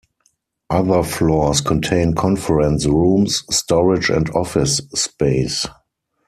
Other floors contain conference rooms, storage and office space.